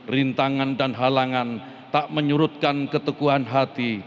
rintangan dan halangan tak menyurutkan keteguhan hati